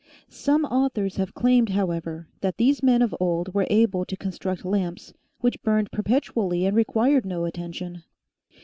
Some authors have claimed, how ever, that these men of old were able to construct lamps which burned perpetually and required no attention.